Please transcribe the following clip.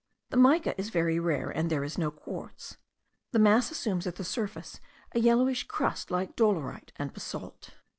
The mica is very rare, and there is no quartz. The mass assumes at the surface a yellowish crust like dolerite and basalt.